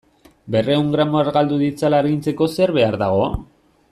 Berrehun gramo argaldu ditzala agintzeko zer behar dago?